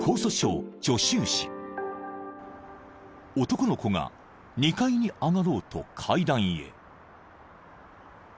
［男の子が２階に上がろうと階段へ］